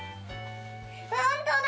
ホントだ！